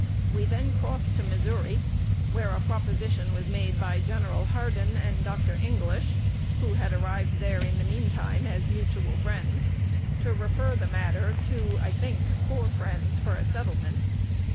We then crossed to Missouri, where a proposition was made by Gen. Hardin and Dr. English (who had arrived there in the mean time as mutual friends) to refer the matter to, I think, four friends for a settlement.